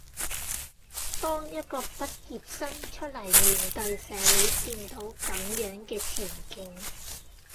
當一個畢業生出黎面對社會見到咁樣嘅前景